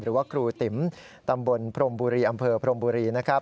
หรือว่าครูติ๋มตำบลพรมบุรีอำเภอพรมบุรีนะครับ